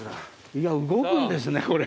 いや動くんですねこれ。